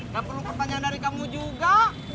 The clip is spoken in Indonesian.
gak perlu pertanyaan dari kamu juga